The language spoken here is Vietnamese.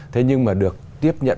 thế nhưng mà được tiếp nhận